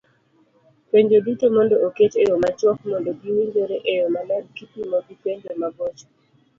Penjo duto mondo oket eyo machuok mondo giwinjore eyo maler kipimo gi penjo mabocho